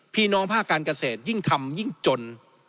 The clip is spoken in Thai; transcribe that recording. พี่น้องภาคการเกษตรยิ่งทำยิ่งจน